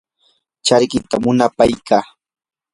charkita munapaykaa.